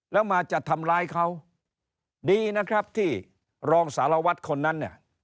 แล้วมาจะทำร้ายเขาดีนะครับที่รองสารวัตรคนนั้นเนี่ย